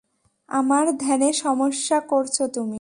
আমার ধ্যানে সমস্যা করছো তুমি।